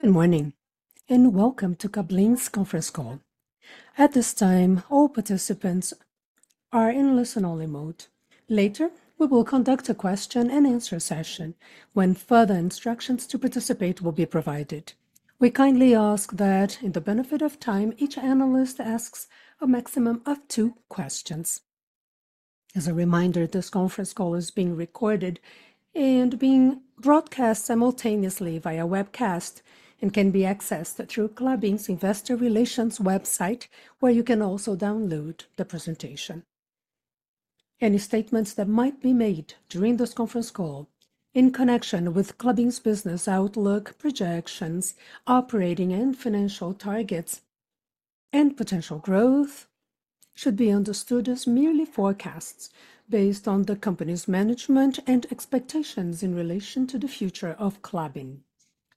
Good morning, and welcome to Klabin's Conference Call. At this time, all participants are in listen-only mode. Later, we will conduct a question-and-answer session, when further instructions to participate will be provided. We kindly ask that, in the interest of time, each analyst asks a maximum of two questions. As a reminder, this conference call is being recorded and being broadcast simultaneously via webcast, and can be accessed through Klabin's Investor Relations website, where you can also download the presentation. Any statements that might be made during this conference call in connection with Klabin's business outlook, projections, operating and financial targets, and potential growth, should be understood as merely forecasts based on the company's management and expectations in relation to the future of Klabin.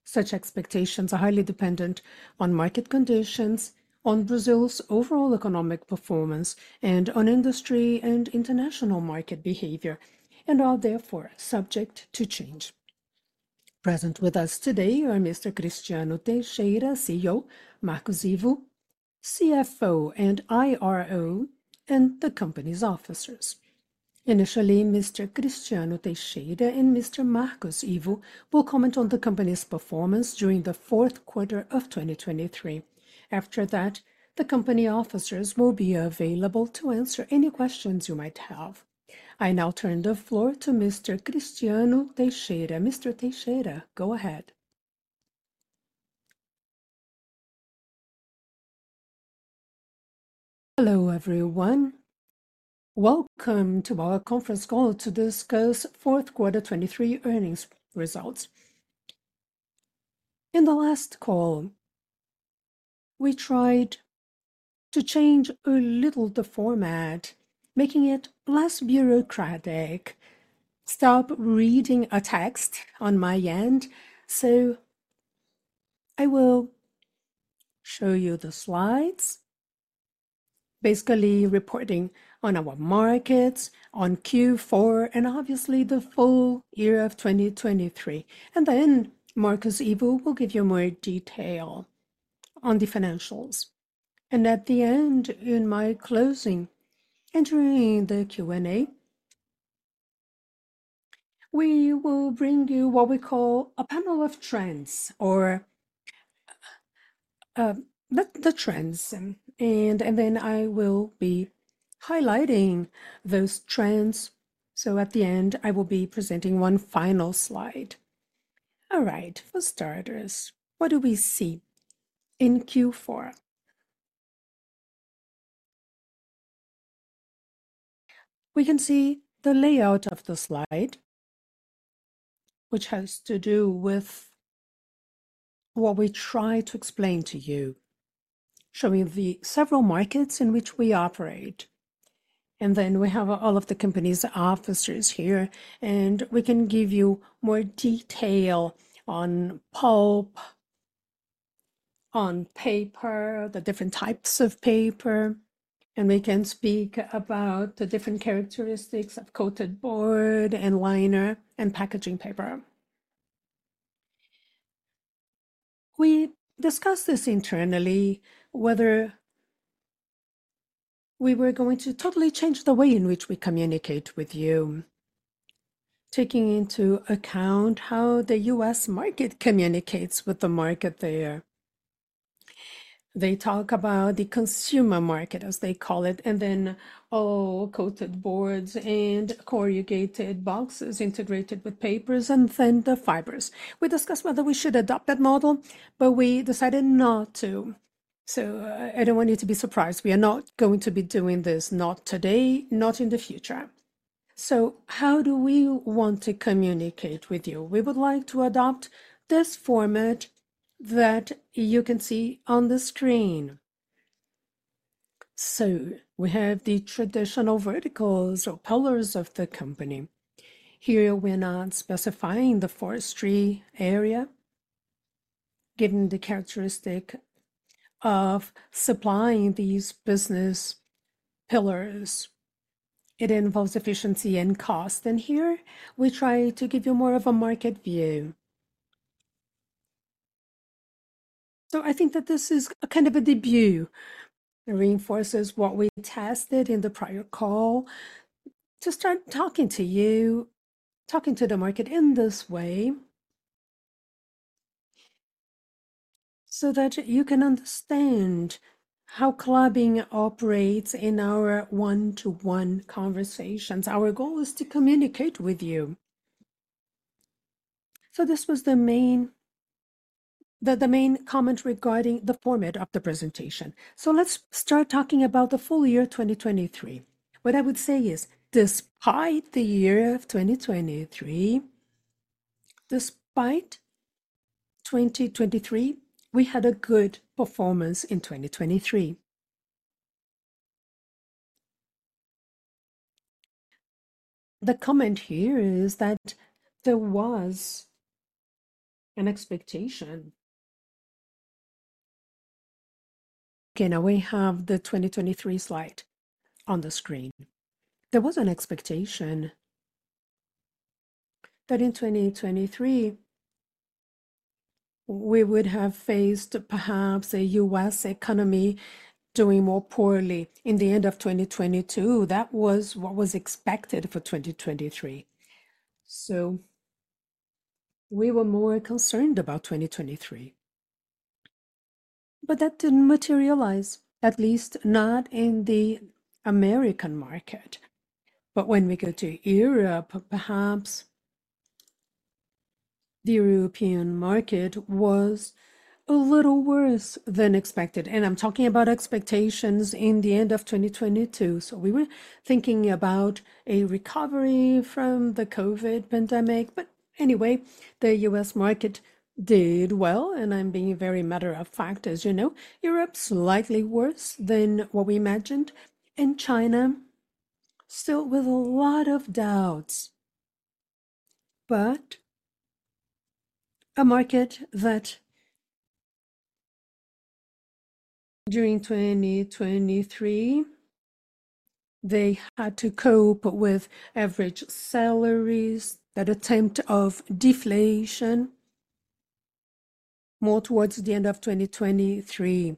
Such expectations are highly dependent on market conditions, on Brazil's overall economic performance, and on industry and international market behavior, and are therefore subject to change. Present with us today are Mr. Cristiano Teixeira, CEO; Marcos Ivo, CFO and IRO; and the company's officers. Initially, Mr. Cristiano Teixeira and Mr. Marcos Ivo will comment on the company's performance during the fourth quarter of 2023. After that, the company officers will be available to answer any questions you might have. I now turn the floor to Mr. Cristiano Teixeira. Mr. Teixeira, go ahead. Hello, everyone. Welcome to our conference call to discuss fourth quarter 2023 earnings results. In the last call, we tried to change a little the format, making it less bureaucratic, stop reading a text on my end. So I will show you the slides, basically reporting on our markets, on Q4, and obviously, the full year of 2023. And then Marcos Ivo will give you more detail on the financials. At the end, in my closing, entering the Q&A, we will bring you what we call a panel of trends or the trends. And then I will be highlighting those trends. So at the end, I will be presenting one final slide. All right. For starters, what do we see in Q4? We can see the layout of the slide, which has to do with what we try to explain to you, showing the several markets in which we operate. And then we have all of the company's officers here, and we can give you more detail on pulp, on paper, the different types of paper, and we can speak about the different characteristics of coated board and liner and packaging paper. We discussed this internally, whether we were going to totally change the way in which we communicate with you, taking into account how the U.S. market communicates with the market there. They talk about the consumer market, as they call it, and then all coated boards and corrugated boxes integrated with papers and then the fibers. We discussed whether we should adopt that model, but we decided not to. So I don't want you to be surprised. We are not going to be doing this, not today, not in the future. So how do we want to communicate with you? We would like to adopt this format that you can see on the screen. So we have the traditional verticals or pillars of the company. Here, we're not specifying the forestry area, given the characteristic of supplying these business pillars. It involves efficiency and cost, and here we try to give you more of a market view. So I think that this is a kind of a debut. It reinforces what we tested in the prior call to start talking to you, talking to the market in this way, so that you can understand how Klabin operates in our one-to-one conversations. Our goal is to communicate with you. So this was the main comment regarding the format of the presentation. So let's start talking about the full year 2023. What I would say is, despite the year of 2023, despite 2023, we had a good performance in 2023. The comment here is that there was an expectation.... Okay, now we have the 2023 slide on the screen. There was an expectation that in 2023, we would have faced perhaps a U.S. economy doing more poorly in the end of 2022. That was what was expected for 2023, so we were more concerned about 2023. But that didn't materialize, at least not in the American market. But when we go to Europe, perhaps the European market was a little worse than expected, and I'm talking about expectations in the end of 2022. So we were thinking about a recovery from the COVID pandemic. But anyway, the U.S. market did well, and I'm being very matter-of-fact, as you know. Europe, slightly worse than what we imagined, and China still with a lot of doubts. But a market that during 2023, they had to cope with average salaries, that attempt of deflation more towards the end of 2023,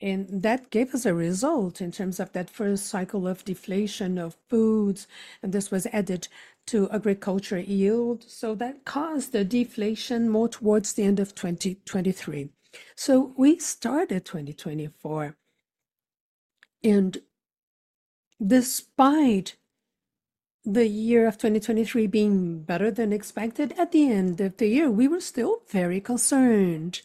and that gave us a result in terms of that first cycle of deflation of foods, and this was added to agriculture yield. So that caused the deflation more towards the end of 2023. So we started 2024, and despite the year of 2023 being better than expected, at the end of the year, we were still very concerned.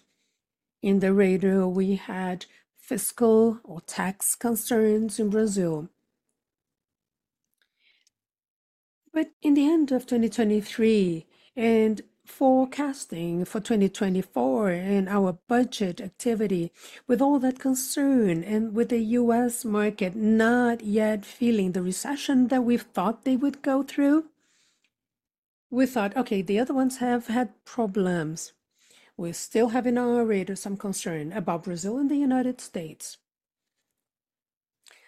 In the radar, we had fiscal or tax concerns in Brazil. But in the end of 2023 and forecasting for 2024 and our budget activity, with all that concern and with the U.S. market not yet feeling the recession that we thought they would go through, we thought, "Okay, the other ones have had problems." We still have in our radar some concern about Brazil and the United States.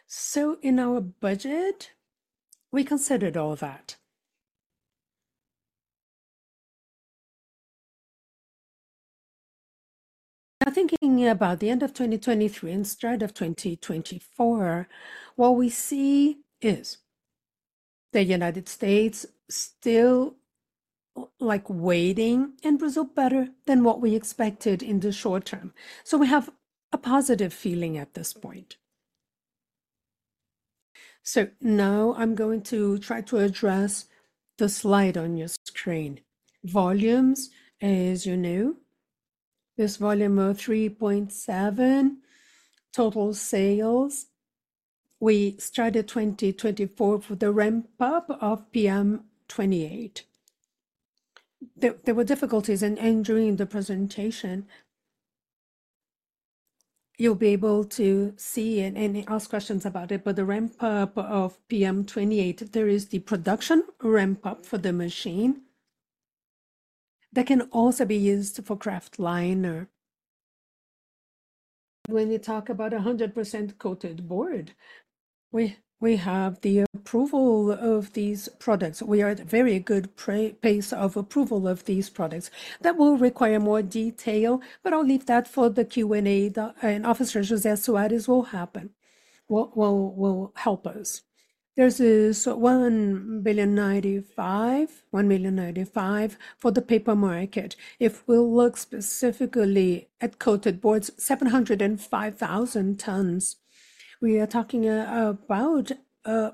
So in our budget, we considered all of that. Now, thinking about the end of 2023 and start of 2024, what we see is the United States still, like waiting, and Brazil better than what we expected in the short term. So we have a positive feeling at this point. So now I'm going to try to address the slide on your screen. Volumes, as you know, this volume of 3.7 total sales. We started 2024 with the ramp-up of PM28. There were difficulties and during the presentation, you'll be able to see and ask questions about it. But the ramp-up of PM28, there is the production ramp-up for the machine that can also be used for kraftliner. When we talk about 100% coated board, we have the approval of these products. We are at a very good pace of approval of these products. That will require more detail, but I'll leave that for the Q&A and Officer José Soares will help us. There's also 1.095 million for the paper market. If we'll look specifically at coated boards, 705,000 tons, we are talking about a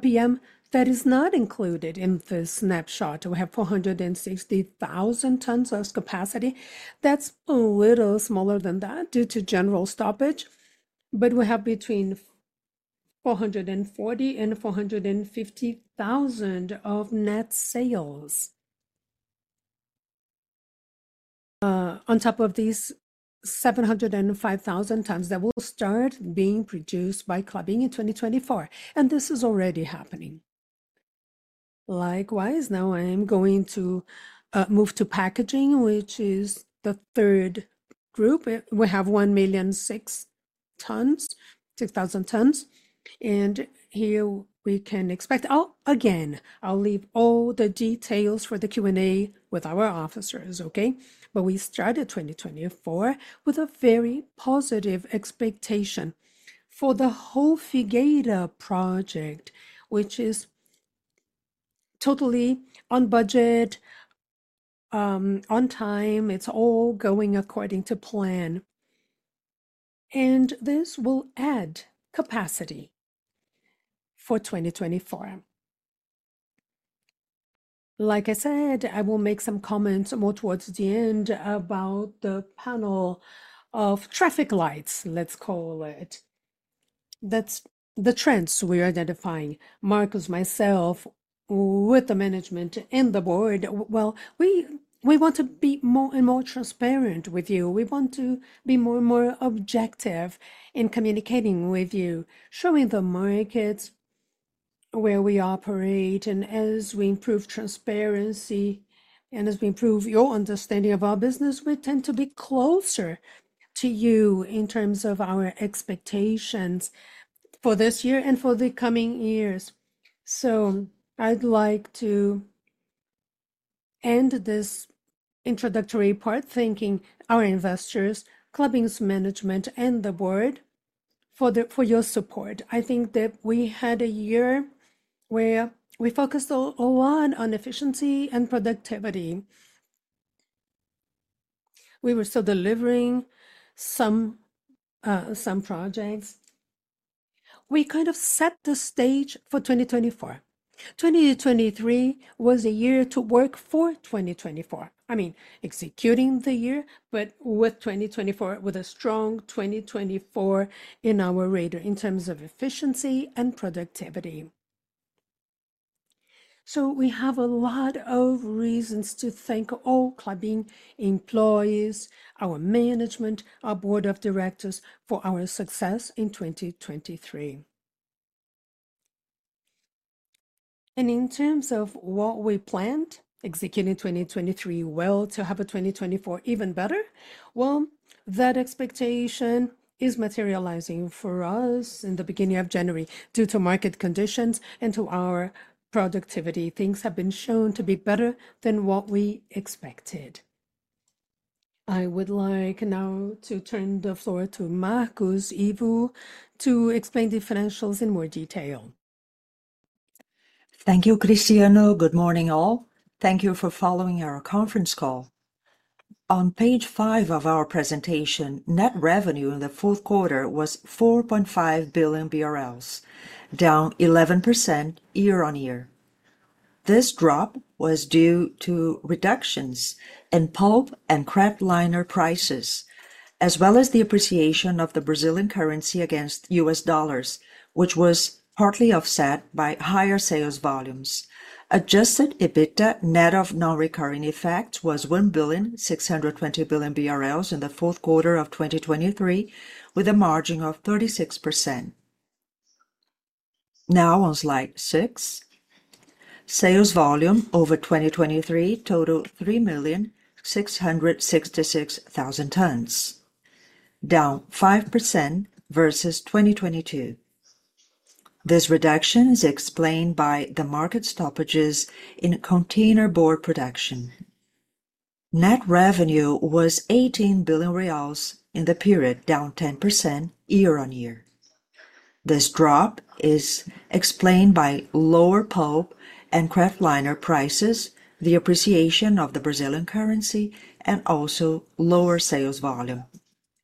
PM that is not included in this snapshot. We have 460,000 tons of capacity. That's a little smaller than that due to general stoppage, but we have between 440 and 450 thousand of net sales on top of these 705 thousand tons that will start being produced by Klabin in 2024, and this is already happening. Likewise, now I'm going to move to packaging, which is the third group. We have 1 million 6 tons, 6 thousand tons, and here we can expect... Again, I'll leave all the details for the Q&A with our officers, okay? But we started 2024 with a very positive expectation for the whole Figueira Project, which is totally on budget, on time. It's all going according to plan, and this will add capacity for 2024. Like I said, I will make some comments more towards the end about the panel of traffic lights, let's call it. That's the trends we are identifying. Marcos, myself, with the management and the board, well, we want to be more and more transparent with you. We want to be more and more objective in communicating with you, showing the markets where we operate, and as we improve transparency and as we improve your understanding of our business, we tend to be closer to you in terms of our expectations for this year and for the coming years. So I'd like to end this introductory part, thanking our investors, Klabin's management, and the board for your support. I think that we had a year where we focused a lot on efficiency and productivity. We were still delivering some projects. We kind of set the stage for 2024. 2023 was a year to work for 2024. I mean, executing the year, but with 2024, with a strong 2024 in our radar in terms of efficiency and productivity. So we have a lot of reasons to thank all Klabin employees, our management, our board of directors, for our success in 2023. In terms of what we planned, executing 2023 well to have a 2024 even better, well, that expectation is materializing for us in the beginning of January. Due to market conditions and to our productivity, things have been shown to be better than what we expected. I would like now to turn the floor to Marcos Ivo to explain the financials in more detail. Thank you, Cristiano. Good morning, all. Thank you for following our conference call. On page five of our presentation, net revenue in the fourth quarter was 4.5 billion BRL, down 11% year-on-year. This drop was due to reductions in pulp and kraftliner prices, as well as the appreciation of the Brazilian currency against U.S. dollars, which was partly offset by higher sales volumes. Adjusted EBITDA, net of non-recurring effects, was 1.62 billion BRL in the fourth quarter of 2023, with a margin of 36%. Now, on slide six, sales volume over 2023 totaled 3,666,000 tonnes, down 5% versus 2022. This reduction is explained by the market stoppages in container board production. Net revenue was 18 billion reais in the period, down 10% year-on-year. This drop is explained by lower pulp and kraftliner prices, the appreciation of the Brazilian currency, and also lower sales volume.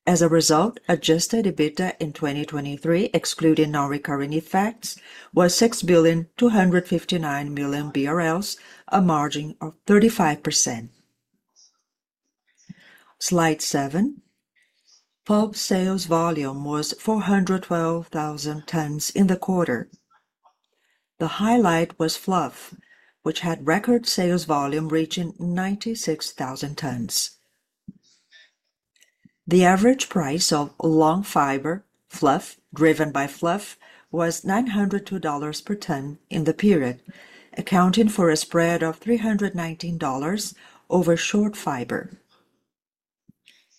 As a result, adjusted EBITDA in 2023, excluding non-recurring effects, was 6.259 billion BRL, a margin of 35%. Slide 7. Pulp sales volume was 412,000 tonnes in the quarter. The highlight was fluff, which had record sales volume reaching 96,000 tonnes. The average price of long fiber, fluff, driven by fluff, was $902 per tonne in the period, accounting for a spread of $319 over short fiber.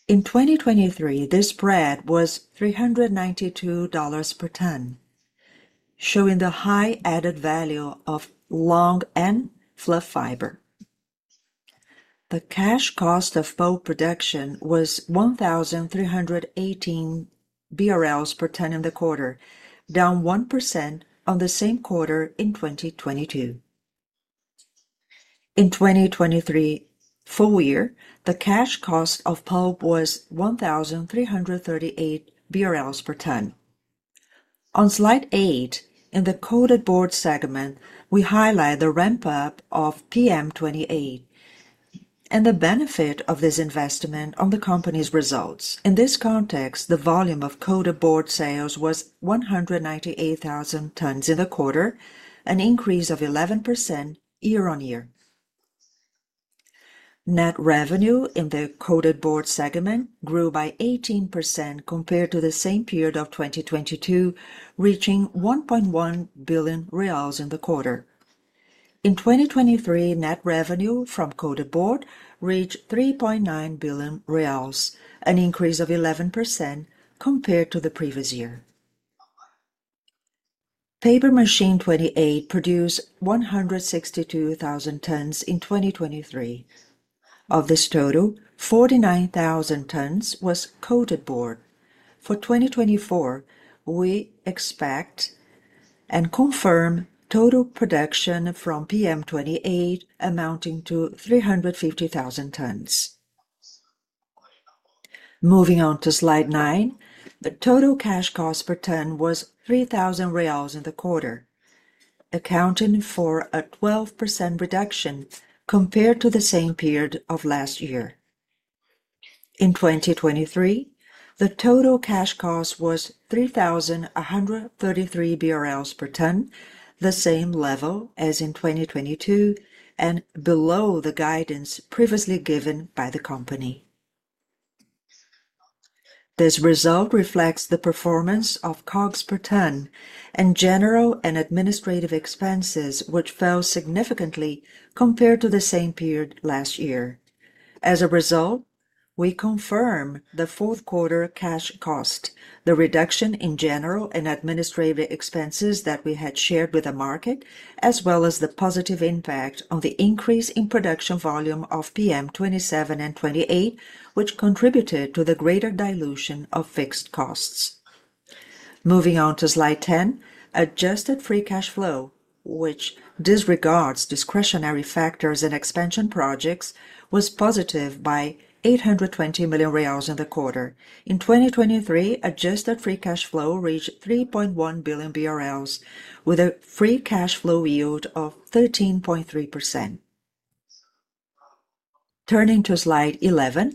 In 2023, this spread was $392 per tonne, showing the high added value of long and fluff fiber. The cash cost of pulp production was 1,318 BRL per tonne in the quarter, down 1% on the same quarter in 2022. In 2023 full year, the cash cost of pulp was 1,338 BRL per tonne. On slide 8, in the coated board segment, we highlight the ramp-up of PM28 and the benefit of this investment on the company's results. In this context, the volume of coated board sales was 198,000 tonnes in the quarter, an increase of 11% year-on-year. Net revenue in the coated board segment grew by 18% compared to the same period of 2022, reaching BRL 1.1 billion in the quarter. In 2023, net revenue from coated board reached 3.9 billion reais, an increase of 11% compared to the previous year. Paper Machine 28 produced 162,000 tonnes in 2023. Of this total, 49,000 tonnes was coated board. For 2024, we expect and confirm total production from PM28 amounting to 350,000 tonnes. Moving on to slide 9, the total cash cost per tonne was 3,000 reais in the quarter, accounting for a 12%, reduction compared to the same period of last year. In 2023, the total cash cost was 3,133 BRL per tonne, the same level as in 2022, and below the guidance previously given by the company. This result reflects the performance of COGS per ton and general and administrative expenses, which fell significantly compared to the same period last year. As a result, we confirm the fourth quarter cash cost, the reduction in general and administrative expenses that we had shared with the market, as well as the positive impact on the increase in production volume of PM 27 and 28, which contributed to the greater dilution of fixed costs. Moving on to Slide 10, adjusted free cash flow, which disregards discretionary factors and expansion projects, was positive by 820 million reais in the quarter. In 2023, adjusted free cash flow reached 3.1 billion BRL, with a free cash flow yield of 13.3%. Turning to Slide 11,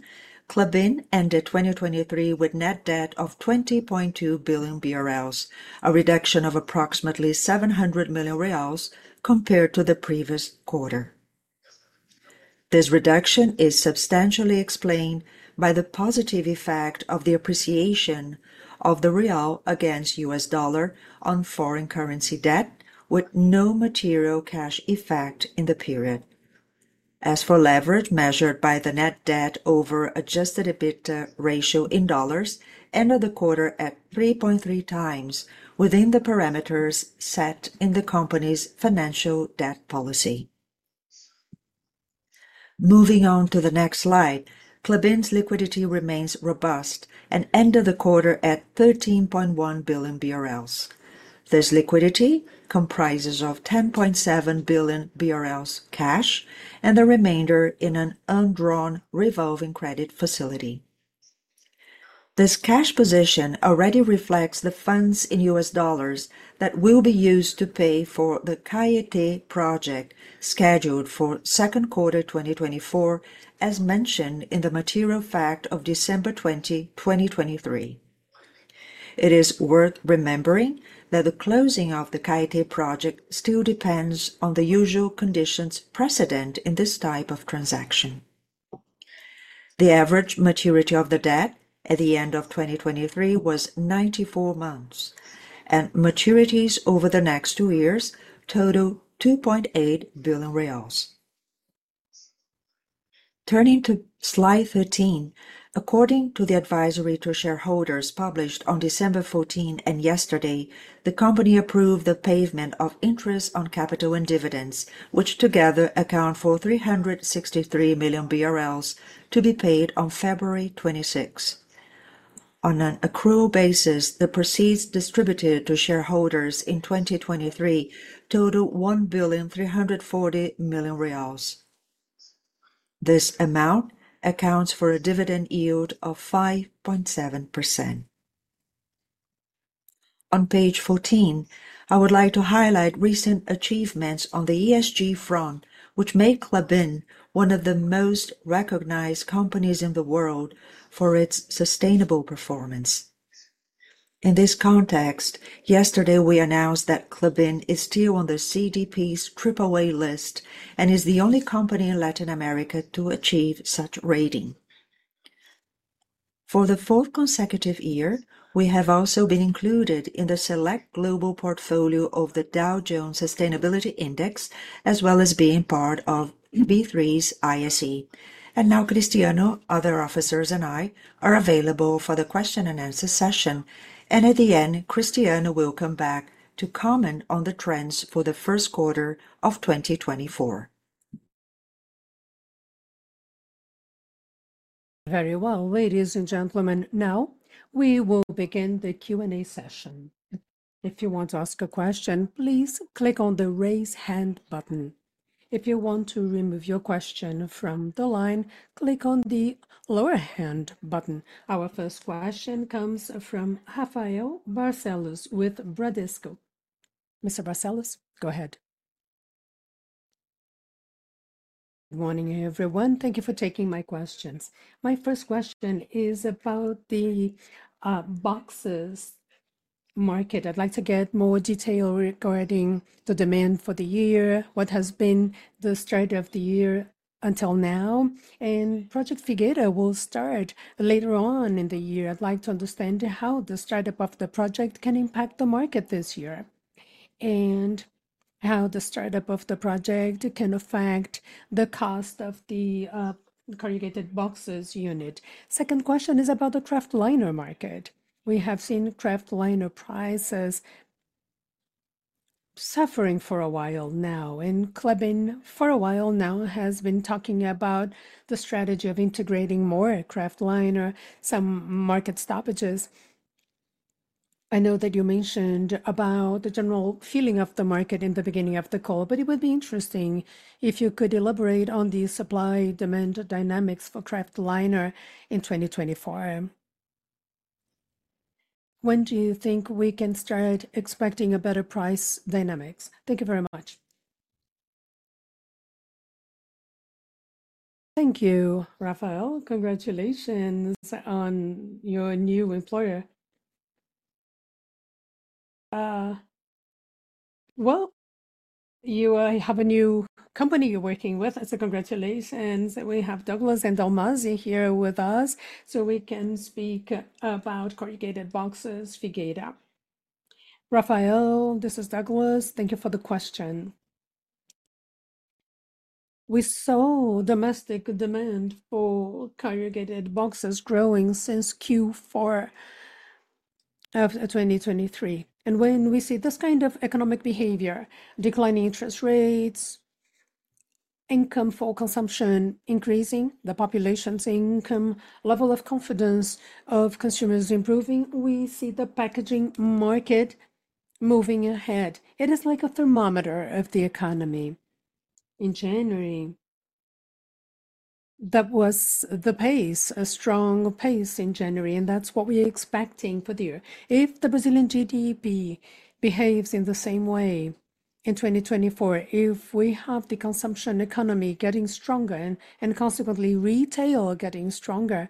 Klabin ended 2023 with net debt of 20.2 billion BRL, a reduction of approximately 700 million reals compared to the previous quarter. This reduction is substantially explained by the positive effect of the appreciation of the real against the U.S. dollar on foreign currency debt, with no material cash effect in the period. As for leverage, measured by the net debt over Adjusted EBITDA ratio in dollars, ended the quarter at 3.3x within the parameters set in the company's financial debt policy. Moving on to the next slide, Klabin's liquidity remains robust and ended the quarter at 13.1 billion BRL. This liquidity comprises of 10.7 billion BRL cash and the remainder in an undrawn revolving credit facility. This cash position already reflects the funds in US dollars that will be used to pay for the Caetê Project, scheduled for second quarter 2024, as mentioned in the material fact of December 20, 2023. It is worth remembering that the closing of the Caetê Project still depends on the usual conditions precedent in this type of transaction. The average maturity of the debt at the end of 2023 was 94 months, and maturities over the next two years total 2.8 billion BRL. Turning to Slide 13, according to the advisory to shareholders published on December 14 and yesterday, the company approved the payment of interest on capital and dividends, which together account for 363 million BRL, to be paid on February 26. On an accrual basis, the proceeds distributed to shareholders in 2023 total 1.34 billion reais. This amount accounts for a dividend yield of 5.7%. On page 14, I would like to highlight recent achievements on the ESG front, which make Klabin one of the most recognized companies in the world for its sustainable performance. In this context, yesterday, we announced that Klabin is still on the CDP's Triple A List and is the only company in Latin America to achieve such rating. For the fourth consecutive year, we have also been included in the select global portfolio of the Dow Jones Sustainability Index, as well as being part of B3's ISE. Now Cristiano, other officers, and I are available for the question and answer session, and at the end, Cristiano will come back to comment on the trends for the first quarter of 2024. Very well, ladies and gentlemen, now we will begin the Q&A session. If you want to ask a question, please click on the Raise Hand button. If you want to remove your question from the line, click on the Lower Hand button. Our first question comes from Rafael Barcellos with Bradesco. Mr. Barcellos, go ahead. Good morning, everyone. Thank you for taking my questions. My first question is about the boxes market. I'd like to get more detail regarding the demand for the year, what has been the start of the year until now, and Project Figueira will start later on in the year. I'd like to understand how the startup of the project can impact the market this year, and how the startup of the project can affect the cost of the corrugated boxes unit. Second question is about the Kraftliner market. We have seen Kraftliner prices suffering for a while now, and Klabin, for a while now, has been talking about the strategy of integrating more Kraftliner, some market stoppages. I know that you mentioned about the general feeling of the market in the beginning of the call, but it would be interesting if you could elaborate on the supply-demand dynamics for Kraftliner in 2024. When do you think we can start expecting a better price dynamics? Thank you very much. Thank you, Rafael. Congratulations on your new employer. Well, you have a new company you're working with, so congratulations. We have Douglas Dalmasi here with us, so we can speak about corrugated boxes, Figueira. Rafael, this is Douglas. Thank you for the question. We saw domestic demand for corrugated boxes growing since Q4 of 2023, and when we see this kind of economic behavior, declining interest rates, income for consumption increasing, the population's income, level of confidence of consumers improving, we see the packaging market moving ahead. It is like a thermometer of the economy. In January, that was the pace, a strong pace in January, and that's what we're expecting for the year. If the Brazilian GDP behaves in the same way in 2024, if we have the consumption economy getting stronger and consequently retail getting stronger,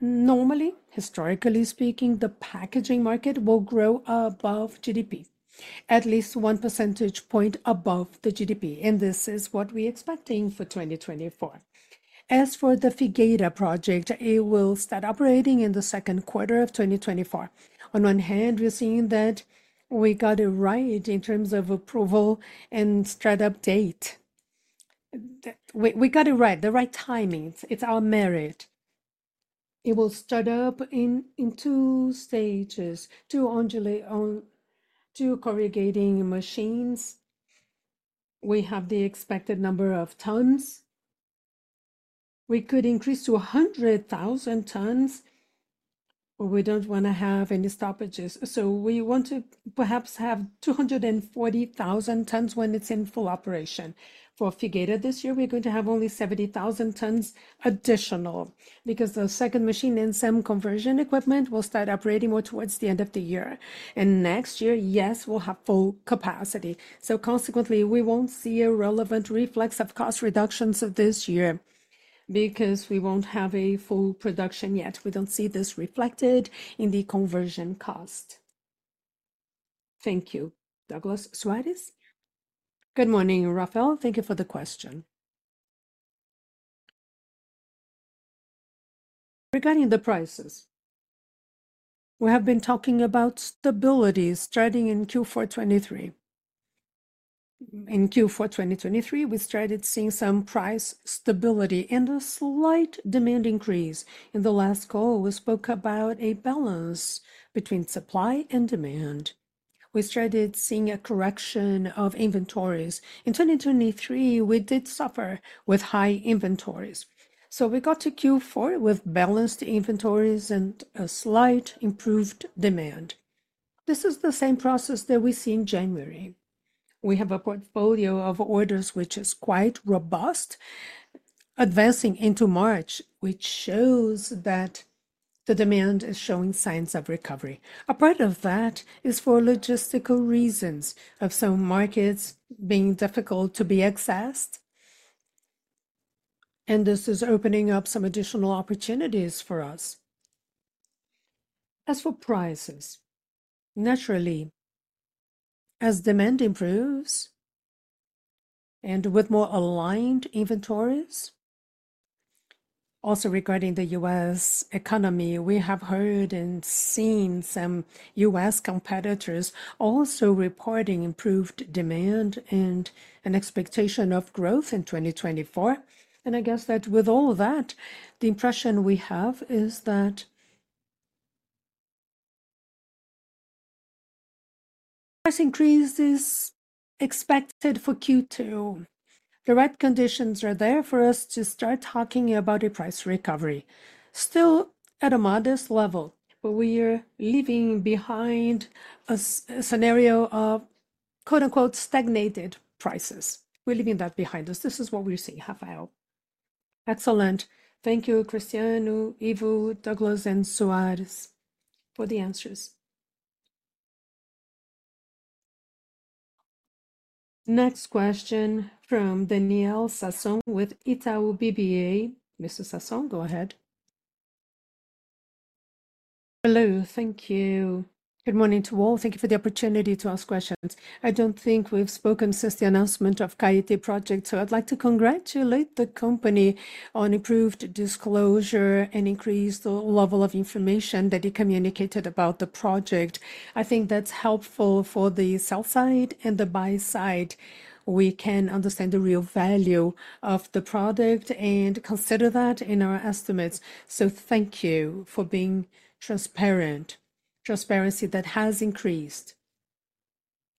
normally, historically speaking, the packaging market will grow above GDP, at least one percentage point above the GDP, and this is what we're expecting for 2024. As for the Figueira Project, it will start operating in the second quarter of 2024. On one hand, we're seeing that we got it right in terms of approval and start-up date. We got it right, the right timings. It's our merit. It will start up in two stages, two corrugating machines. We have the expected number of tons. We could increase to 100,000 tons, but we don't want to have any stoppages, so we want to perhaps have 240,000 tons when it's in full operation. For Figueira this year, we're going to have only 70,000 tons additional because the second machine and some conversion equipment will start operating more towards the end of the year, and next year, yes, we'll have full capacity. So consequently, we won't see a relevant reflex of cost reductions of this year because we won't have a full production yet. We don't see this reflected in the conversion cost. Thank you. Douglas Soares? Good morning, Rafael. Thank you for the question. Regarding the prices, we have been talking about stability starting in Q4 2023. In Q4 2023, we started seeing some price stability and a slight demand increase. In the last call, we spoke about a balance between supply and demand. We started seeing a correction of inventories. In 2023, we did suffer with high inventories, so we got to Q4 with balanced inventories and a slight improved demand. This is the same process that we see in January. We have a portfolio of orders which is quite robust, advancing into March, which shows that the demand is showing signs of recovery. A part of that is for logistical reasons, of some markets being difficult to be accessed, and this is opening up some additional opportunities for us. As for prices, naturally, as demand improves, and with more aligned inventories, also regarding the U.S. economy, we have heard and seen some U.S. competitors also reporting improved demand and an expectation of growth in 2024. And I guess that with all of that, the impression we have is that price increase is expected for Q2. The right conditions are there for us to start talking about a price recovery. Still at a modest level, but we are leaving behind a scenario of, quote, unquote, "stagnated prices." We're leaving that behind us. This is what we're seeing, Rafael. Excellent. Thank you, Cristiano, Ivo, Douglas, and Soares for the answers. Next question from Daniel Sasson with Itaú BBA. Mr. Sasson, go ahead. Hello. Thank you. Good morning to all. Thank you for the opportunity to ask questions. I don't think we've spoken since the announcement of Caetê Project, so I'd like to congratulate the company on improved disclosure and increased level of information that you communicated about the project. I think that's helpful for the sell side and the buy side. We can understand the real value of the product and consider that in our estimates, so thank you for being transparent. Transparency, that has increased.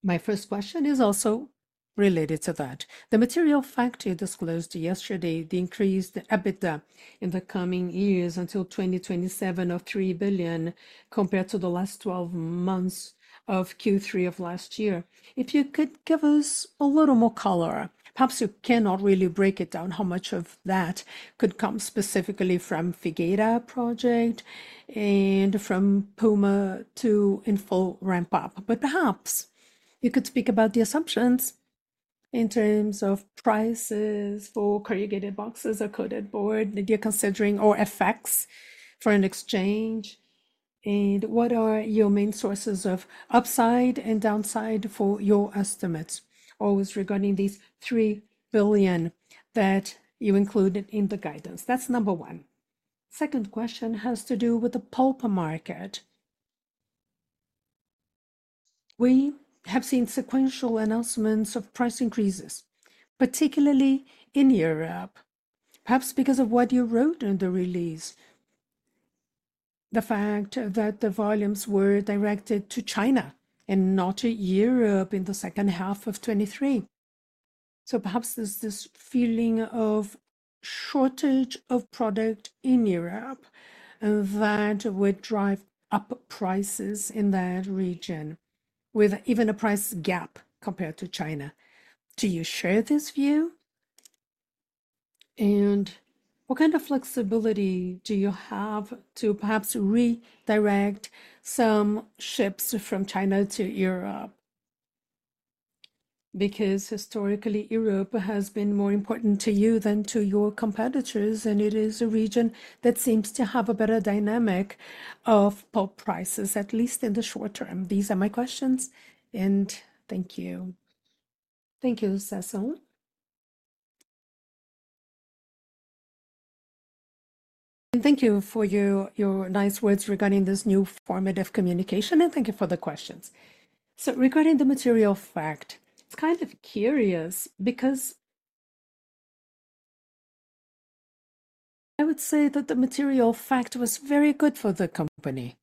My first question is also related to that. The material fact you disclosed yesterday, the increased EBITDA in the coming years until 2027 of 3 billion, compared to the last twelve months of Q3 of last year. If you could give us a little more color, perhaps you cannot really break it down, how much of that could come specifically from Figueira Project and from Puma II in full ramp-up, but perhaps you could speak about the assumptions? In terms of prices for corrugated boxes or coated board that you're considering, or effects for an exchange, and what are your main sources of upside and downside for your estimates? Always regarding these 3 billion that you included in the guidance. That's number one. Second question has to do with the pulp market. We have seen sequential announcements of price increases, particularly in Europe, perhaps because of what you wrote in the release, the fact that the volumes were directed to China and not to Europe in the second half of 2023. So perhaps there's this feeling of shortage of product in Europe that would drive up prices in that region, with even a price gap compared to China. Do you share this view? And what kind of flexibility do you have to perhaps redirect some ships from China to Europe? Because historically, Europe has been more important to you than to your competitors, and it is a region that seems to have a better dynamic of pulp prices, at least in the short term. These are my questions, and thank you. Thank you, Sasson. Thank you for your nice words regarding this new formative communication, and thank you for the questions. So regarding the material fact, it's kind of curious because I would say that the material fact was very good for the company.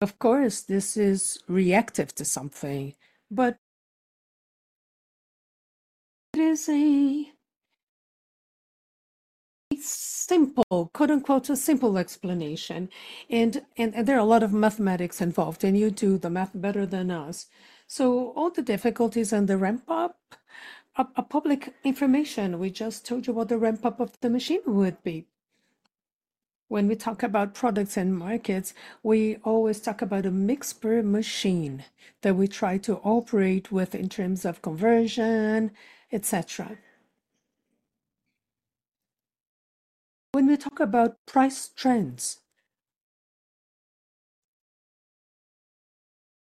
Of course, this is reactive to something, but it is a simple, quote-unquote, "a simple explanation," and there are a lot of mathematics involved, and you do the math better than us. So all the difficulties and the ramp up are public information. We just told you what the ramp up of the machine would be. When we talk about products and markets, we always talk about a mixed per machine that we try to operate with in terms of conversion, et cetera. When we talk about price trends,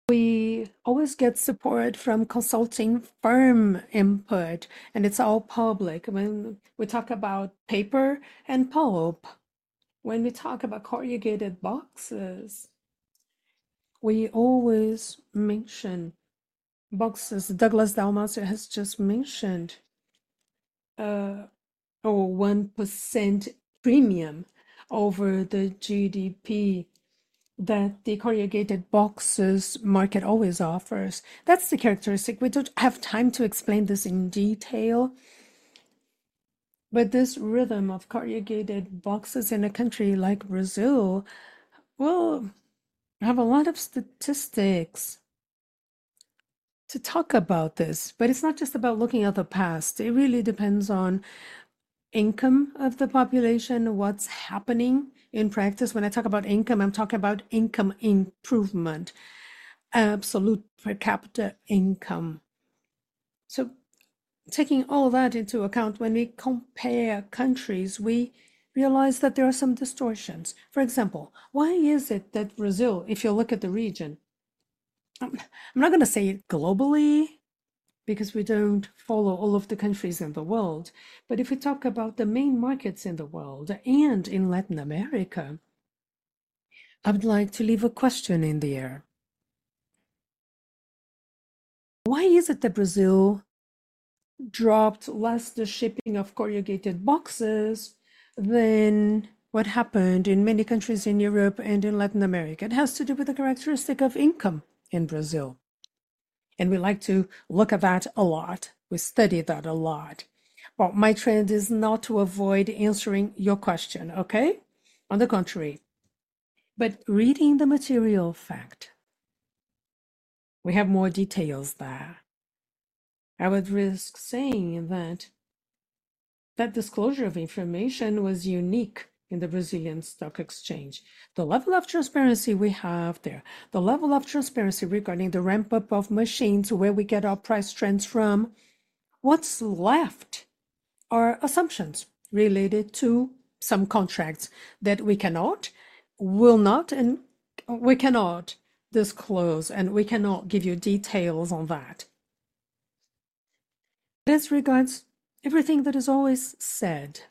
we always get support from consulting firm input, and it's all public. When we talk about paper and pulp, when we talk about corrugated boxes, we always mention boxes. Douglas Dalmasi has just mentioned a 1% premium over the GDP that the corrugated boxes market always offers. That's the characteristic. We don't have time to explain this in detail, but this rhythm of corrugated boxes in a country like Brazil will have a lot of statistics to talk about this. But it's not just about looking at the past, it really depends on income of the population, what's happening in practice. When I talk about income, I'm talking about income improvement, absolute per capita income. So taking all that into account, when we compare countries, we realize that there are some distortions. For example, why is it that Brazil, if you look at the region—I'm not gonna say globally, because we don't follow all of the countries in the world, but if we talk about the main markets in the world and in Latin America, I would like to leave a question in the air: Why is it that Brazil dropped less the shipping of corrugated boxes than what happened in many countries in Europe and in Latin America? It has to do with the characteristic of income in Brazil, and we like to look at that a lot. We study that a lot. Well, my trend is not to avoid answering your question, okay? On the contrary. But reading the material fact, we have more details there. I would risk saying that that disclosure of information was unique in the Brazilian stock exchange. The level of transparency we have there, the level of transparency regarding the ramp-up of machines, where we get our price trends from, what's left are assumptions related to some contracts that we cannot, will not, and we cannot disclose, and we cannot give you details on that. This regards everything that is always said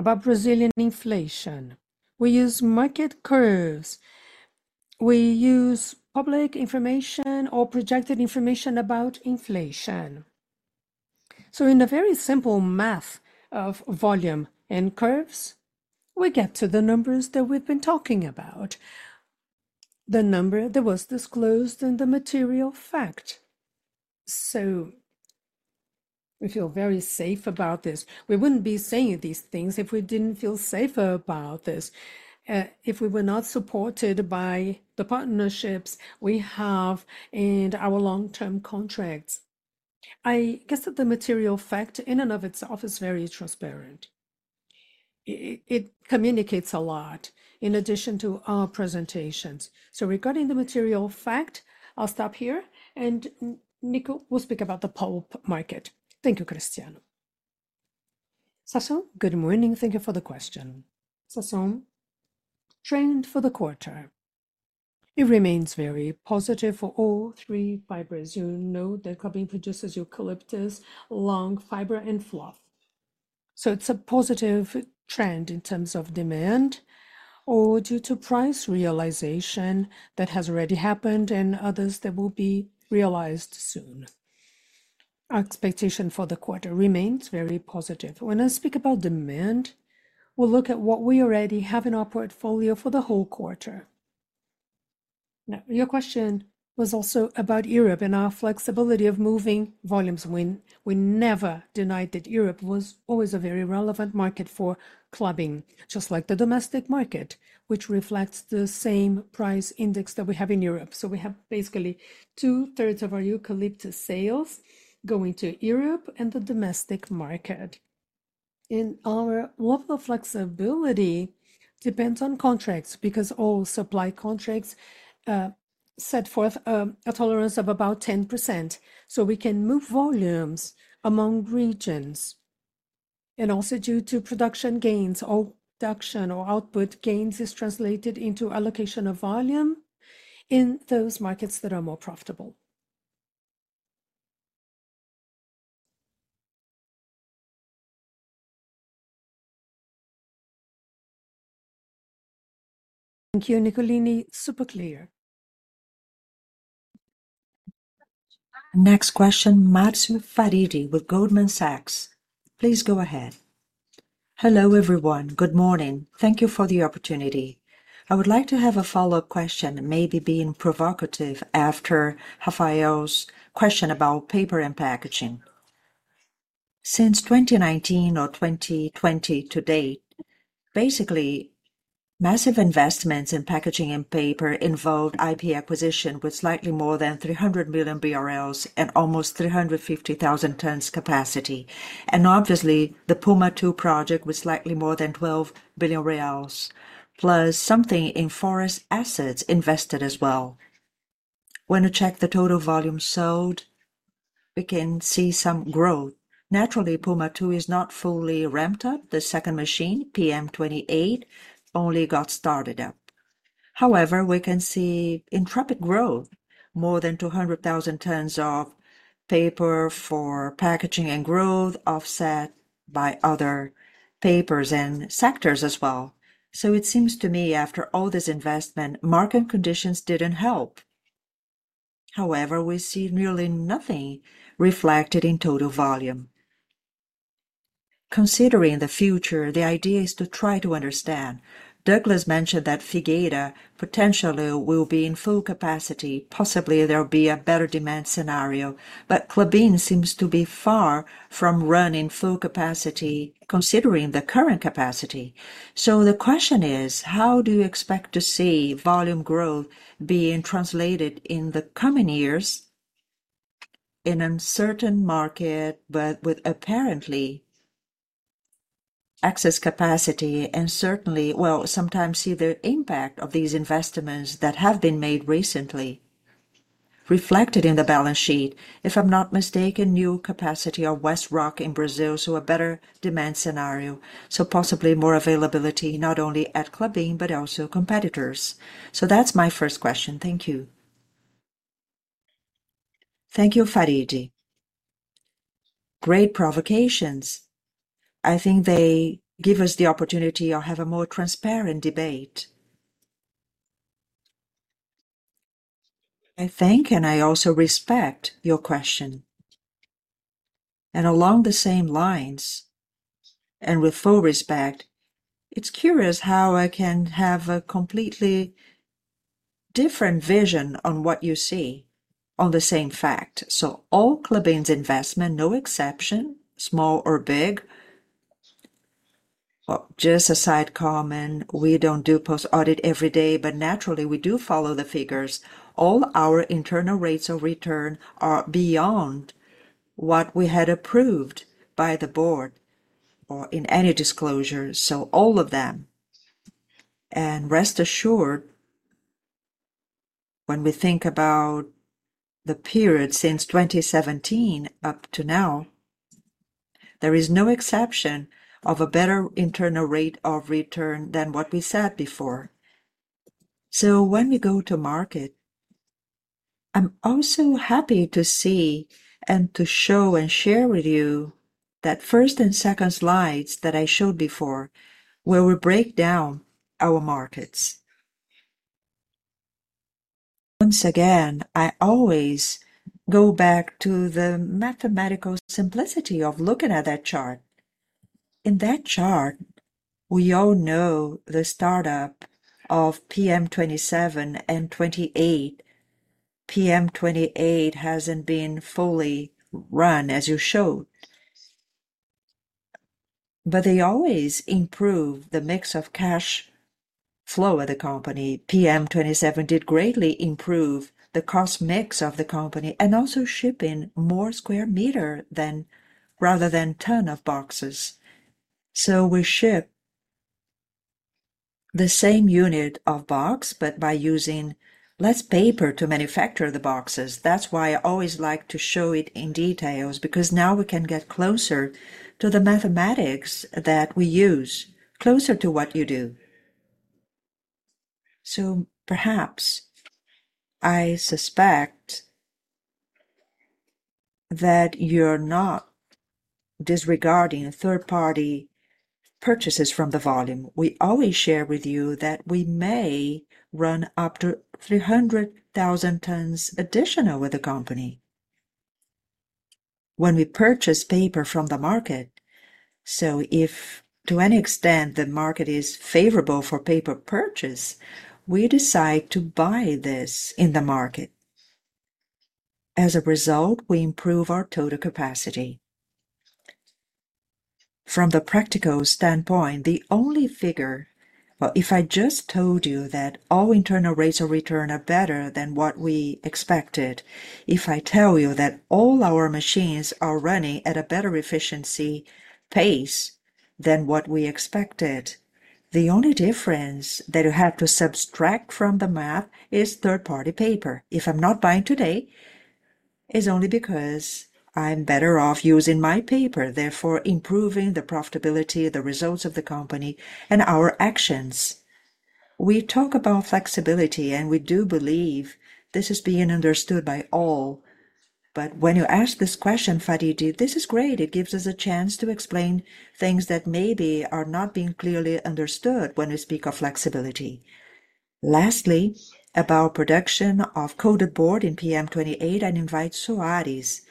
about Brazilian inflation. We use market curves, we use public information or projected information about inflation. So in a very simple math of volume and curves, we get to the numbers that we've been talking about, the number that was disclosed in the material fact. So we feel very safe about this. We wouldn't be saying these things if we didn't feel safer about this, if we were not supported by the partnerships we have and our long-term contracts. I guess that the material fact, in and of itself, is very transparent.... It communicates a lot in addition to our presentations. So regarding the material fact, I'll stop here, and Nico will speak about the pulp market. Thank you, Cristiano. Sasson, good morning. Thank you for the question. Sasson, trend for the quarter, it remains very positive for all three fibers. You know that Klabin produces eucalyptus, long fiber, and fluff. So it's a positive trend in terms of demand or due to price realization that has already happened, and others that will be realized soon. Our expectation for the quarter remains very positive. When I speak about demand, we'll look at what we already have in our portfolio for the whole quarter. Now, your question was also about Europe and our flexibility of moving volumes. We never denied that Europe was always a very relevant market for Klabin, just like the domestic market, which reflects the same price index that we have in Europe. So we have basically two-thirds of our eucalyptus sales going to Europe and the domestic market. Our level of flexibility depends on contracts, because all supply contracts set forth a tolerance of about 10%, so we can move volumes among regions. Also due to production gains, all production or output gains is translated into allocation of volume in those markets that are more profitable. Thank you, Nicolini. Super clear. Next question, Marcio Farid with Goldman Sachs, please go ahead. Hello, everyone. Good morning. Thank you for the opportunity. I would like to have a follow-up question, maybe being provocative after Rafael's question about paper and packaging. Since 2019 or 2020 to date, basically, massive investments in packaging and paper involved IP acquisition with slightly more than 300 million BRL and almost 350,000 tons capacity. Obviously, the Puma II Project was slightly more than 12 billion reais, plus something in forest assets invested as well. When you check the total volume sold, we can see some growth. Naturally, Puma II is not fully ramped up. The second machine, PM 28, only got started up. However, we can see in topic growth, more than 200,000 tons of paper for packaging and growth, offset by other papers and sectors as well. So it seems to me, after all this investment, market conditions didn't help. However, we see nearly nothing reflected in total volume. Considering the future, the idea is to try to understand. Douglas mentioned that Figueira potentially will be in full capacity. Possibly, there will be a better demand scenario, but Klabin seems to be far from running full capacity, considering the current capacity. So the question is: How do you expect to see volume growth being translated in the coming years in uncertain market, but with apparently excess capacity, and certainly, well, sometimes see the impact of these investments that have been made recently reflected in the balance sheet? If I'm not mistaken, new capacity of WestRock in Brazil, so a better demand scenario, so possibly more availability, not only at Klabin, but also competitors. So that's my first question. Thank you. Thank you, Farid. Great provocations. I think they give us the opportunity or have a more transparent debate. I thank, and I also respect your question. Along the same lines, and with full respect, it's curious how I can have a completely different vision on what you see on the same fact. So all Klabin's investment, no exception, small or big... Well, just a side comment, we don't do post audit every day, but naturally, we do follow the figures. All our internal rates of return are beyond what we had approved by the board or in any disclosure, so all of them. Rest assured, when we think about the period since 2017 up to now, there is no exception of a better internal rate of return than what we said before. So when we go to market, I'm also happy to see and to show and share with you that first and second slides that I showed before, where we break down our markets. Once again, I always go back to the mathematical simplicity of looking at that chart. In that chart, we all know the startup of PM 27 and 28. PM 28 hasn't been fully run, as you showed. But they always improve the mix of cash flow at the company. PM 27 did greatly improve the cost mix of the company, and also shipping more square meter rather than ton of boxes. So we ship the same unit of box, but by using less paper to manufacture the boxes. That's why I always like to show it in details, because now we can get closer to the mathematics that we use, closer to what you do. So perhaps I suspect that you're not disregarding third-party purchases from the volume. We always share with you that we may run up to 300,000 tons additional with the company when we purchase paper from the market. So if to any extent the market is favorable for paper purchase, we decide to buy this in the market. As a result, we improve our total capacity. From the practical standpoint, the only figure. Well, if I just told you that all internal rates of return are better than what we expected, if I tell you that all our machines are running at a better efficiency pace than what we expected, the only difference that you have to subtract from the math is third-party paper. If I'm not buying today, it's only because I'm better off using my paper, therefore, improving the profitability, the results of the company, and our actions. We talk about flexibility, and we do believe this is being understood by all. But when you ask this question, Farid, this is great. It gives us a chance to explain things that maybe are not being clearly understood when we speak of flexibility. Lastly, about production of coated board in PM 28, I invite Soares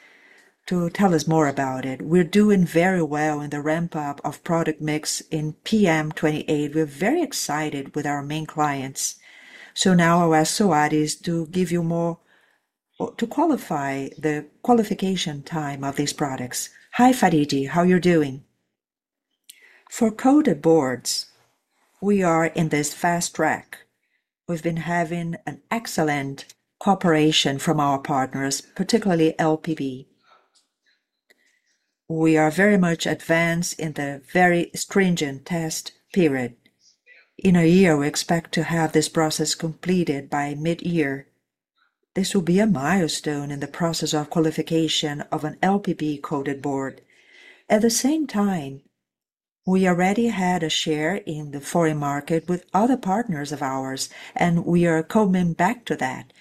to tell us more about it. We're doing very well in the ramp-up of product mix in PM 28. We're very excited with our main clients. So now I'll ask Soares to give you more or to qualify the qualification time of these products. Hi, Farid. How are you doing? For coated boards, we are in this fast track. We've been having an excellent cooperation from our partners, particularly LPB. We are very much advanced in the very stringent test period. In a year, we expect to have this process completed by mid-year. This will be a milestone in the process of qualification of an LPB coated board. At the same time, we already had a share in the foreign market with other partners of ours, and we are coming back to that.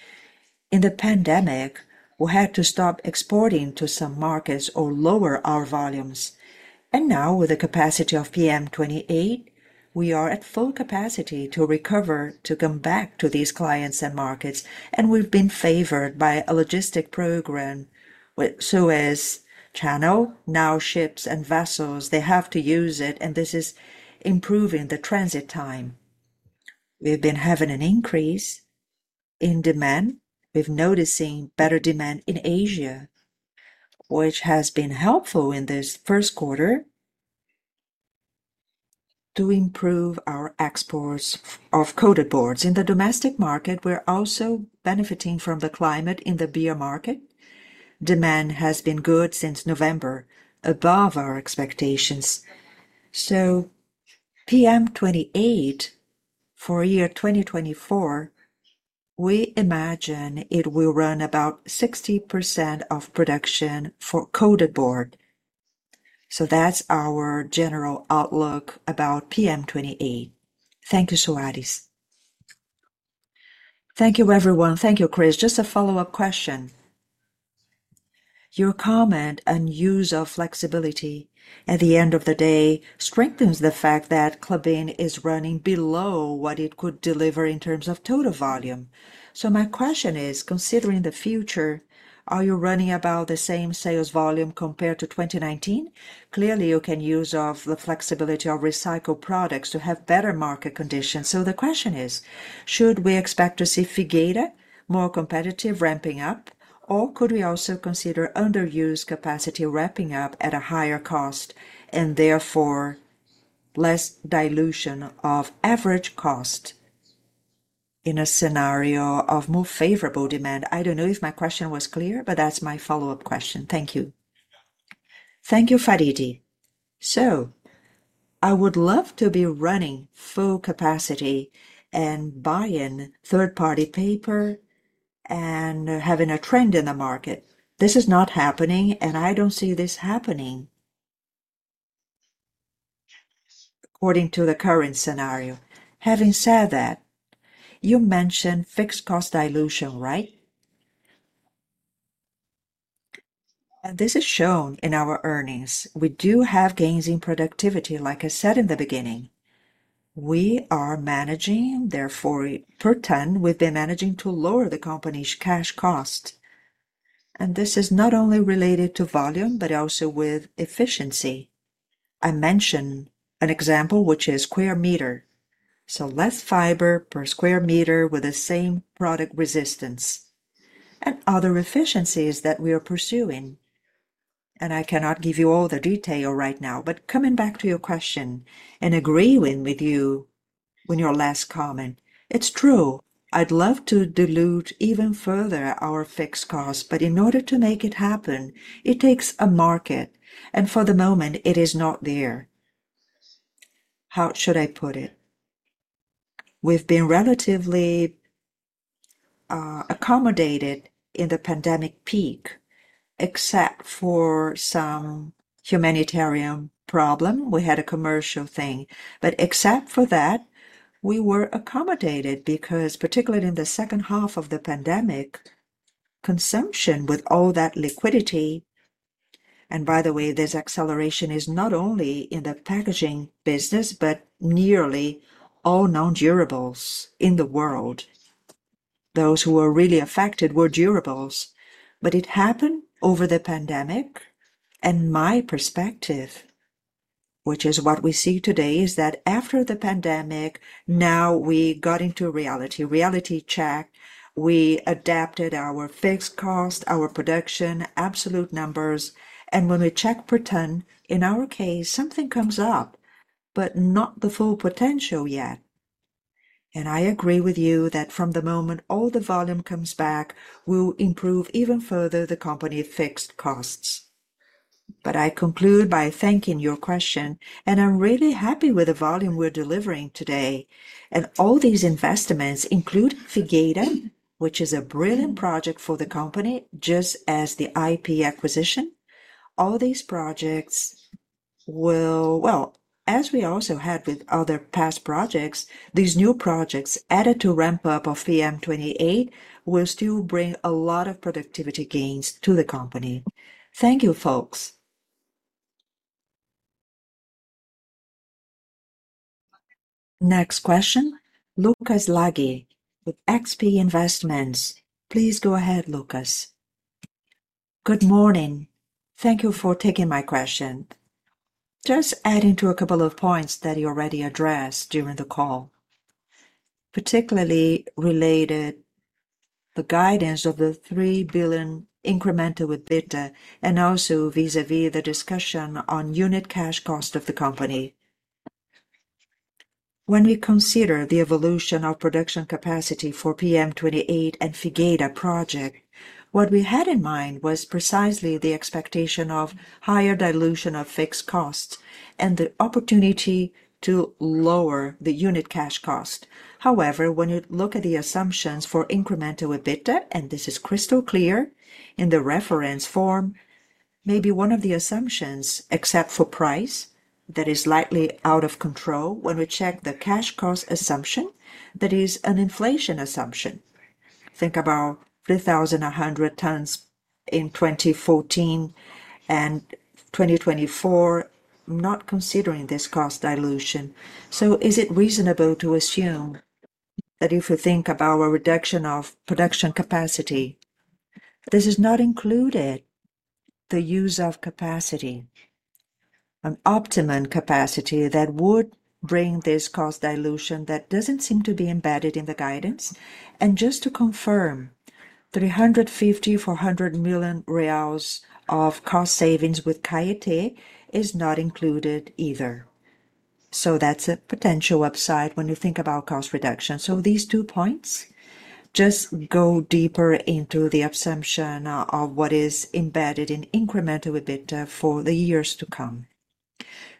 In the pandemic, we had to stop exporting to some markets or lower our volumes, and now with the capacity of PM 28, we are at full capacity to recover, to come back to these clients and markets, and we've been favored by a logistic program with Suez Canal. Now, ships and vessels, they have to use it, and this is improving the transit time. We've been having an increase in demand. We've noticed better demand in Asia, which has been helpful in this first quarter to improve our exports of coated boards. In the domestic market, we're also benefiting from the climate in the beer market. Demand has been good since November, above our expectations. So PM 28, for 2024, we imagine it will run about 60%, of production for coated board. So that's our general outlook about PM 28. Thank you, Soares. Thank you, everyone. Thank you, Chris. Just a follow-up question. Your comment and use of flexibility at the end of the day strengthens the fact that Klabin is running below what it could deliver in terms of total volume. So my question is, considering the future, are you running about the same sales volume compared to 2019? Clearly, you can use of the flexibility of recycled products to have better market conditions. So the question is: Should we expect to see Figueira more competitive, ramping up? Or could we also consider underused capacity ramping up at a higher cost and therefore less dilution of average cost in a scenario of more favorable demand? I don't know if my question was clear, but that's my follow-up question. Thank you. Thank you, Farid. So I would love to be running full capacity and buying third-party paper and having a trend in the market. This is not happening, and I don't see this happening according to the current scenario. Having said that, you mentioned fixed cost dilution, right? And this is shown in our earnings. We do have gains in productivity, like I said in the beginning. We are managing, therefore, per ton, we've been managing to lower the company's cash cost, and this is not only related to volume, but also with efficiency. I mentioned an example, which is square meter, so less fiber per square meter with the same product resistance and other efficiencies that we are pursuing... and I cannot give you all the detail right now. But coming back to your question and agreeing with you on your last comment, it's true, I'd love to dilute even further our fixed costs, but in order to make it happen, it takes a market, and for the moment, it is not there. How should I put it? We've been relatively accommodated in the pandemic peak, except for some humanitarian problem. We had a commercial thing. But except for that, we were accommodated because particularly in the second half of the pandemic, consumption with all that liquidity-- and by the way, this acceleration is not only in the packaging business, but nearly all non-durables in the world. Those who were really affected were durables. But it happened over the pandemic, and my perspective, which is what we see today, is that after the pandemic, now we got into reality, reality check. We adapted our fixed cost, our production, absolute numbers, and when we check per ton, in our case, something comes up, but not the full potential yet. And I agree with you that from the moment all the volume comes back, we'll improve even further the company fixed costs. But I conclude by thanking your question, and I'm really happy with the volume we're delivering today. And all these investments include Figueira, which is a brilliant project for the company, just as the IP acquisition. All these projects will—Well, as we also had with other past projects, these new projects, added to ramp up of PM28, will still bring a lot of productivity gains to the company. Thank you, folks. Next question, Lucas Laghi with XP Investimentos. Please go ahead, Lucas. Good morning. Thank you for taking my question. Just adding to a couple of points that you already addressed during the call, particularly related the guidance of the 3 billion incremental EBITDA, and also vis-à-vis the discussion on unit cash cost of the company. When we consider the evolution of production capacity for PM28 and Figueira Project, what we had in mind was precisely the expectation of higher dilution of fixed costs and the opportunity to lower the unit cash cost. However, when you look at the assumptions for incremental EBITDA, and this is crystal clear in the reference form, maybe one of the assumptions, except for price, that is slightly out of control when we check the cash cost assumption, that is an inflation assumption. Think about 3,100 tons in 2014 and 2024, not considering this cost dilution. So is it reasonable to assume that if we think about a reduction of production capacity, this is not included, the use of capacity, an optimum capacity that would bring this cost dilution that doesn't seem to be embedded in the guidance? And just to confirm, 350 million-400 million reais of cost savings with Caetê is not included either. So that's a potential upside when you think about cost reduction. So these two points just go deeper into the assumption of what is embedded in incremental EBITDA for the years to come.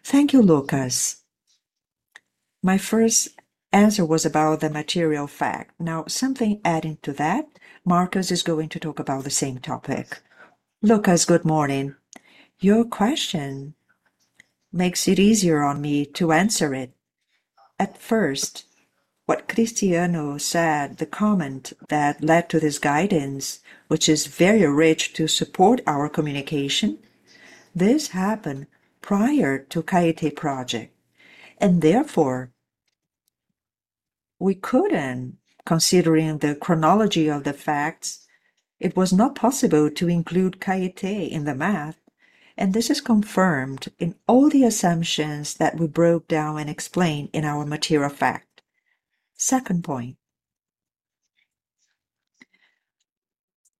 Thank you, Lucas. My first answer was about the material fact. Now, something adding to that, Marcos is going to talk about the same topic. Lucas, good morning. Your question makes it easier on me to answer it. At first, what Cristiano said, the comment that led to this guidance, which is very rich to support our communication, this happened prior to Caetê Project, and therefore, we couldn't, considering the chronology of the facts, it was not possible to include Caetê in the math, and this is confirmed in all the assumptions that we broke down and explained in our material fact. Second point: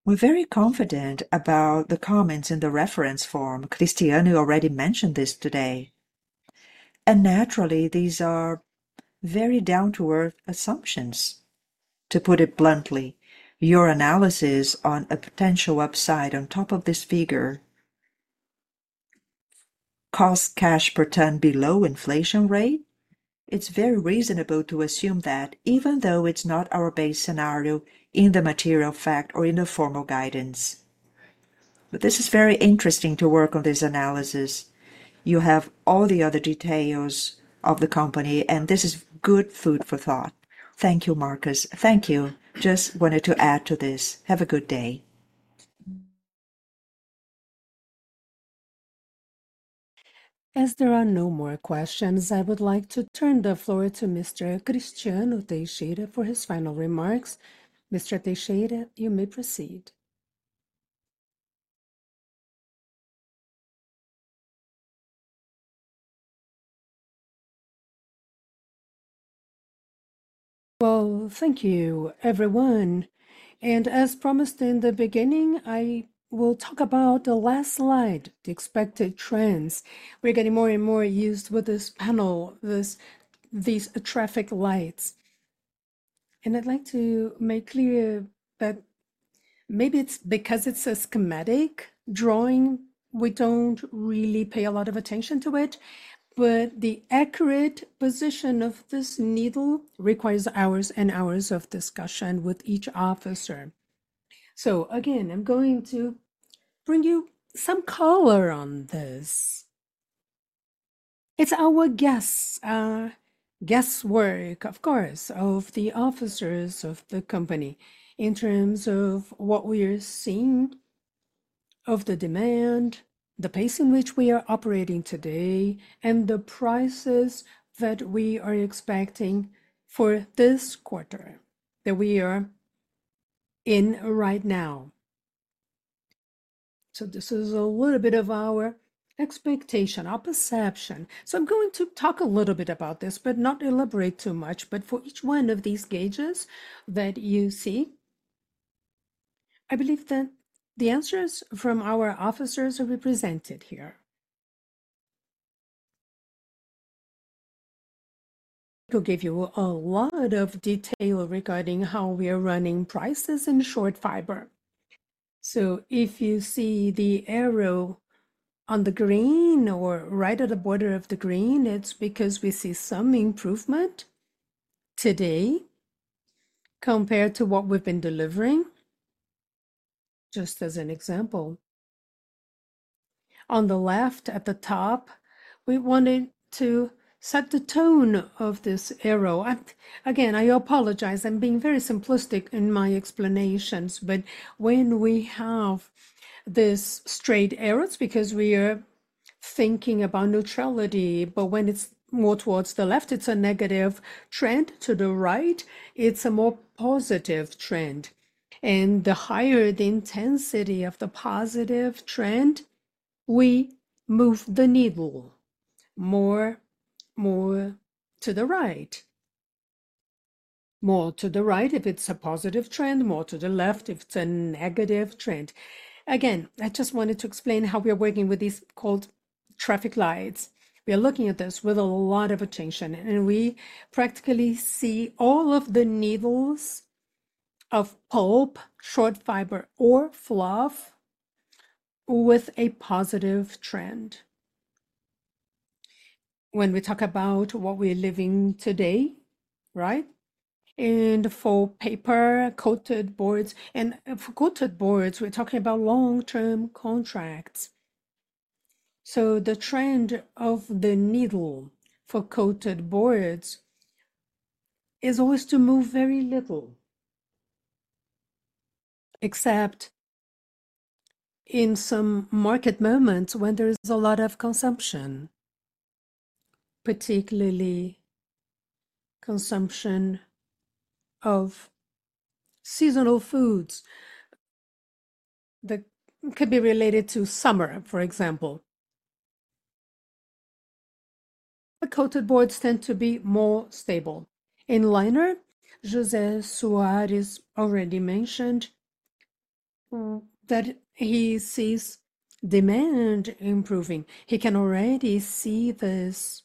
we're very confident about the comments in the reference form. Cristiano already mentioned this today, and naturally, these are very down-to-earth assumptions. To put it bluntly, your analysis on a potential upside on top of this figure, cost cash per ton below inflation rate, it's very reasonable to assume that even though it's not our base scenario in the material fact or in the formal guidance. But this is very interesting to work on this analysis. You have all the other details of the company, and this is good food for thought. Thank you, Marcos. Thank you. Just wanted to add to this. Have a good day. As there are no more questions, I would like to turn the floor to Mr. Cristiano Teixeira for his final remarks. Mr. Teixeira, you may proceed. Well, thank you, everyone. As promised in the beginning, I will talk about the last slide, the expected trends. We're getting more and more used with this panel, this, these traffic lights. I'd like to make clear that maybe it's because it's a schematic drawing, we don't really pay a lot of attention to it, but the accurate position of this needle requires hours and hours of discussion with each officer. So again, I'm going to bring you some color on this. It's our guess, guesswork, of course, of the officers of the company in terms of what we are seeing of the demand, the pace in which we are operating today, and the prices that we are expecting for this quarter that we are in right now. So this is a little bit of our expectation, our perception. I'm going to talk a little bit about this, but not elaborate too much. For each one of these gauges that you see, I believe that the answers from our officers are represented here. I could give you a lot of detail regarding how we are running prices in short fiber. If you see the arrow on the green or right at the border of the green, it's because we see some improvement today compared to what we've been delivering. Just as an example, on the left, at the top, we wanted to set the tone of this arrow. Again, I apologize, I'm being very simplistic in my explanations, but when we have these straight arrows, because we are thinking about neutrality, but when it's more towards the left, it's a negative trend. To the right, it's a more positive trend, and the higher the intensity of the positive trend, we move the needle more, more to the right. More to the right if it's a positive trend, more to the left if it's a negative trend. Again, I just wanted to explain how we are working with these called traffic lights. We are looking at this with a lot of attention, and we practically see all of the needles of pulp, short fiber or fluff with a positive trend when we talk about what we're living today, right? And for paper, coated boards... And for coated boards, we're talking about long-term contracts. So the trend of the needle for coated boards is always to move very little, except in some market moments when there is a lot of consumption, particularly consumption of seasonal foods that could be related to summer, for example. The coated boards tend to be more stable. In liner, José Soares already mentioned that he sees demand improving. He can already see this,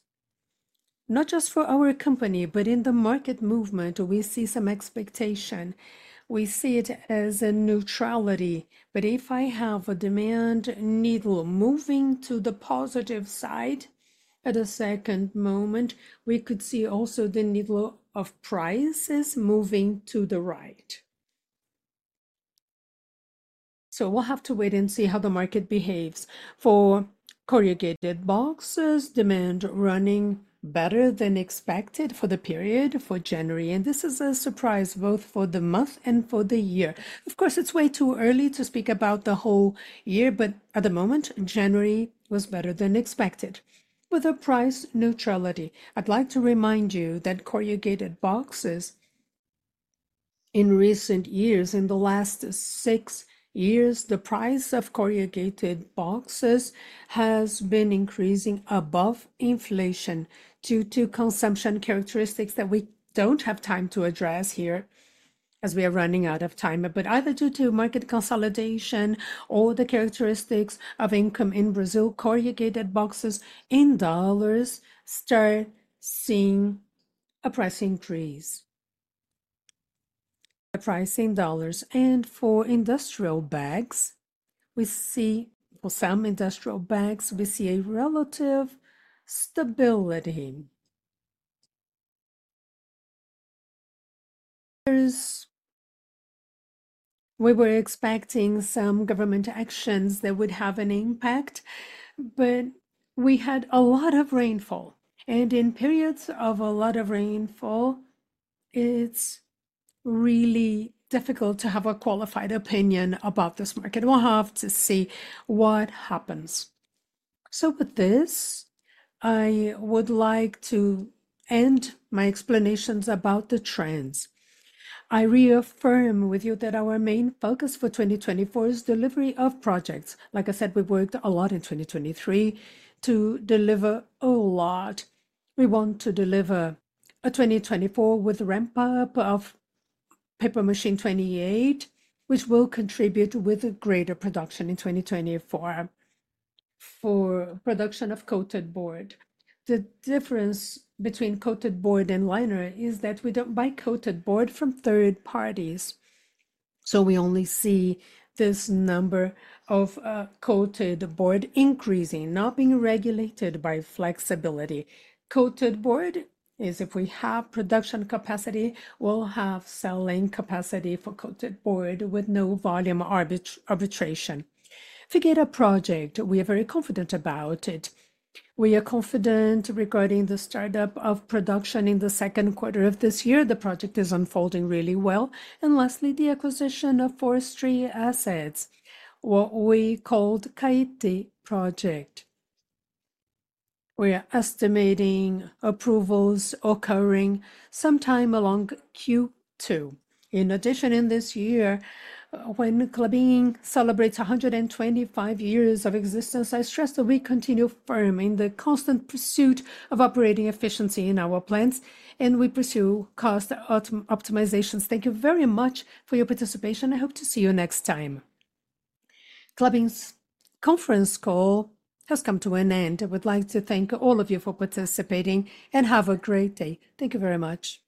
not just for our company, but in the market movement, we see some expectation. We see it as a neutrality, but if I have a demand needle moving to the positive side at a second moment, we could see also the needle of prices moving to the right. So we'll have to wait and see how the market behaves. For corrugated boxes, demand running better than expected for the period for January, and this is a surprise both for the month and for the year. Of course, it's way too early to speak about the whole year, but at the moment, January was better than expected with a price neutrality. I'd like to remind you that corrugated boxes in recent years, in the last six years, the price of corrugated boxes has been increasing above inflation due to consumption characteristics that we don't have time to address here, as we are running out of time. But either due to market consolidation or the characteristics of income in Brazil, corrugated boxes in dollars start seeing a price increase. The price in dollars. And for industrial bags, we see, for some industrial bags, we see a relative stability. We were expecting some government actions that would have an impact, but we had a lot of rainfall, and in periods of a lot of rainfall, it's really difficult to have a qualified opinion about this market. We'll have to see what happens. So with this, I would like to end my explanations about the trends. I reaffirm with you that our main focus for 2024 is delivery of projects. Like I said, we've worked a lot in 2023 to deliver a lot. We want to deliver a 2024 with a ramp-up of Paper Machine 28, which will contribute with a greater production in 2024 for production of coated board. The difference between coated board and liner is that we don't buy coated board from third parties, so we only see this number of coated board increasing, not being regulated by flexibility. Coated board is if we have production capacity, we'll have selling capacity for coated board with no volume arbitration. Figueira Project, we are very confident about it. We are confident regarding the startup of production in the second quarter of this year. The project is unfolding really well. And lastly, the acquisition of forestry assets, what we called Caetê Project. We are estimating approvals occurring sometime along Q2. In addition, in this year, when Klabin celebrates 125 years of existence, I stress that we continue firm in the constant pursuit of operating efficiency in our plants, and we pursue cost optimizations. Thank you very much for your participation. I hope to see you next time. Klabin's conference call has come to an end. I would like to thank all of you for participating, and have a great day. Thank you very much.